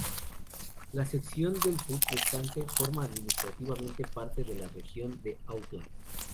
La sección del sur restante forma administrativamente parte de la región de Auckland.